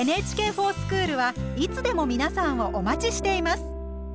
「ＮＨＫｆｏｒＳｃｈｏｏｌ」はいつでも皆さんをお待ちしています！